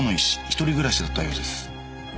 一人暮らしだったようです。